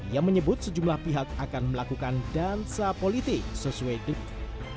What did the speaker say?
ia menyebut sejumlah pihak akan melakukan dansa politik sesuai duit